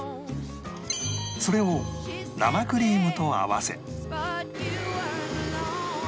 それを生クリームと合わせ